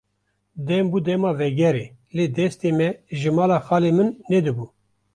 Dem bû dema vegerê, lê destê me ji mala xalê min nedibû.